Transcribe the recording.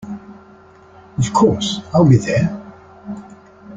Of course, I’ll be there!